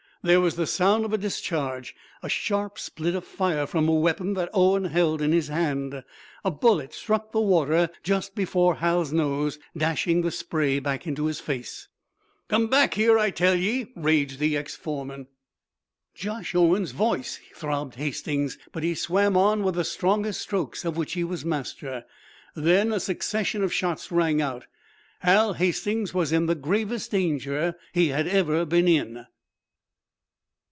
There was the sound of a discharge, a sharp split of fire from a weapon that Owen held in his hand. A bullet struck the water just before Hal's nose, dashing the spray back in his face. "Come back here, I tell ye!" raged the ex foreman. "Josh Owen's voice!" throbbed Hastings, but he swam on with the strongest strokes of which he was master. Then a succession of shots rang out. Hal Hastings was in the gravest danger he had ever been in.